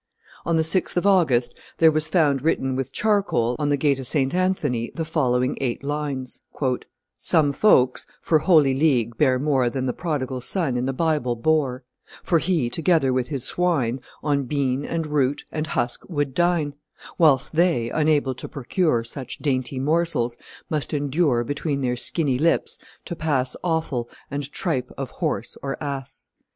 On the 6th of August, there was found written with charcoal, on the gate of St. Anthony, the following eight lines: "Some folks, for Holy League bear more Than the prodigal son in the Bible bore; For he, together with his swine, On bean, and root, and husk would dine; Whilst they, unable to procure Such dainty morsels, must endure Between their skinny lips to pass Offal and tripe of horse or ass."